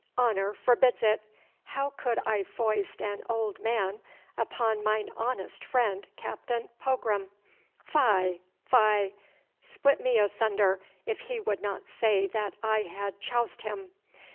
Honour forbids it! How could I foist an old man upon mine honest friend, Captain Pogram. Fie, fie! Split me asunder if he would not say that I had choused him!